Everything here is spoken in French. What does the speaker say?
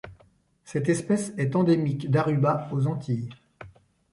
Cette espèce est endémique d'Aruba aux Antilles.